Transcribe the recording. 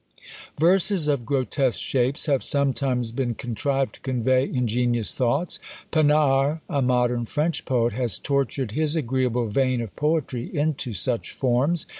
Verses of grotesque shapes have sometimes been contrived to convey ingenious thoughts. Pannard, a modern French poet, has tortured his agreeable vein of poetry into such forms.